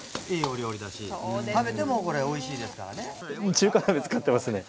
中華鍋使ってますね。